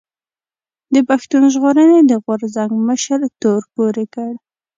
د پښتون ژغورنې د غورځنګ مشر تور پورې کړ